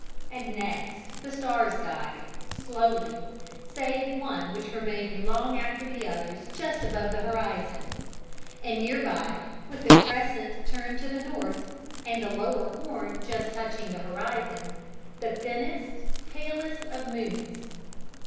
And next the stars died, slowly, save one which remained long after the others just above the horizon; and near by, with the crescent turned to the north, and the lower horn just touching the horizon, the thinnest, palest of moons.